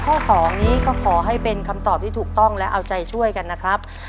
ข้อ๒นี้ก็ขอให้เป็นคำตอบที่ถูกต้องและเอาใจช่วยกันนะครับ